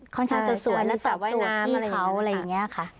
ค่อนข้างจะสวยแล้วตอบโจทย์ที่เขาอะไรอย่างนี้ค่ะ